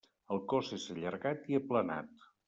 El cos és allargat i aplanat.